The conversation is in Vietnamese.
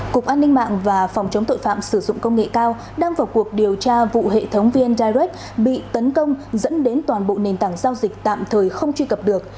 cục an ninh mạng và phòng chống tội phạm sử dụng công nghệ cao đang vào cuộc điều tra vụ hệ thống vn direct bị tấn công dẫn đến toàn bộ nền tảng giao dịch tạm thời không truy cập được